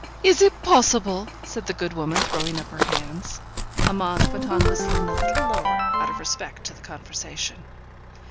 'Is it possible?' said the good woman, throwing up her hands. Amante went on whistling a little lower, out of respect to the conversation.